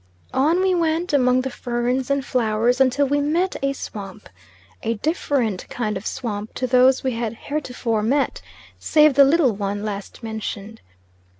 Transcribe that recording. On we went among the ferns and flowers until we met a swamp, a different kind of swamp to those we had heretofore met, save the little one last mentioned.